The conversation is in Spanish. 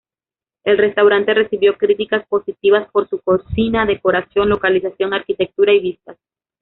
El restaurante recibió críticas positivas por su cocina, decoración, localización, arquitectura y vistas.